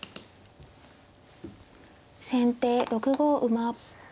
先手６五馬。